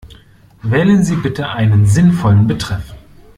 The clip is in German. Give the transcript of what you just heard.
Wählen Sie bitte einen sinnvollen Betreff.